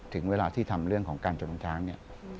ถึงเวลาที่ทำเรื่องของการจมช้างเนี่ย